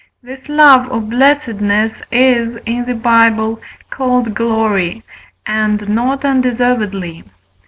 This love or blessedness is, in the Bible, called Glory, and not undeservedly.